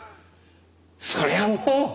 そりゃもう！